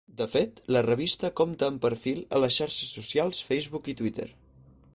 De fet, la revista compta amb perfil a les xarxes socials Facebook i Twitter.